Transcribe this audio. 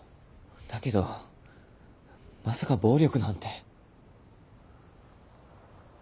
だけどまさか暴力なんて。